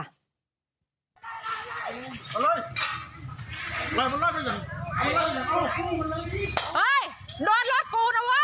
เอาเลยเอาเลยเอาเอ้ยโดนรถกูน่ะเว้ย